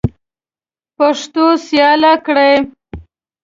پښتو سیاله کړئ.